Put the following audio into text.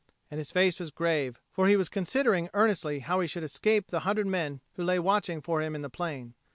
And his face was grave, for he was considering earnestly how he should escape the hundred men who lay watching for him in the plain.